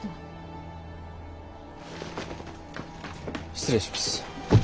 失礼します。